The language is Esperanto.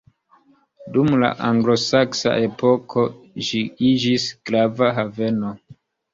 Dum la anglosaksa epoko ĝi iĝis grava haveno.